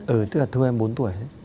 ừ tức là thua em bốn tuổi ấy